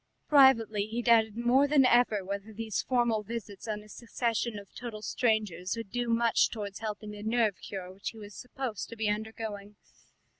Privately he doubted more than ever whether these formal visits on a succession of total strangers would do much towards helping the nerve cure which he was supposed to be undergoing.